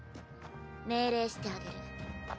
命令してあげる。